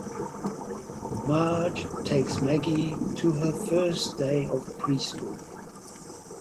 Marge takes Maggie to her first day of preschool.